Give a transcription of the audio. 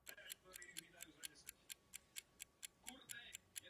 V údolí jsou silně vyvinuté krasové útvary.